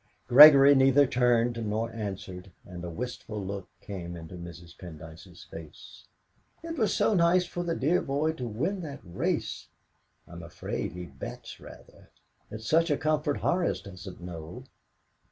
Gregory neither turned nor answered, and a wistful look came into Mrs. Pendyce's face. "It was so nice for the dear boy to win that race! I'm afraid he bets rather! It's such a comfort Horace doesn't know."